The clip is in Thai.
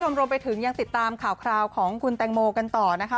รวมไปถึงยังติดตามข่าวคราวของคุณแตงโมกันต่อนะคะ